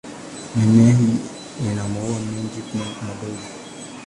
Mimea hii ina maua meupe madogo.